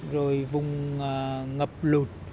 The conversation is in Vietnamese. rồi vùng ngập lụt